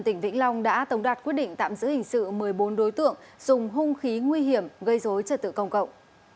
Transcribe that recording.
tỉnh vĩnh long đã tống đạt quyết định tạm giữ hình sự một mươi bốn đối tượng dùng hung khí nguy hiểm gây dối trật tự công cộng